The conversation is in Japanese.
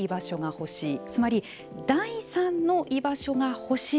つまり第３の居場所が欲しい。